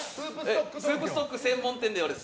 スープストック専門店では。